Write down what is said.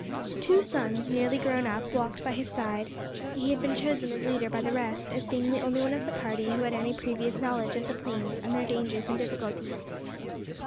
Two sons, nearly grown up, walked by his side. He had been chosen as leader by the rest as being the only one of the party who had any previous knowledge of the plains and their dangers and difficulties.